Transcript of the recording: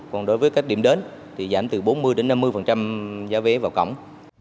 còn đối với các điểm đến thì giảm từ bốn mươi năm mươi giá vé vào cổng